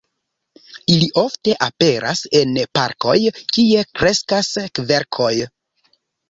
Ili ofte aperas en parkoj, kie kreskas kverkoj.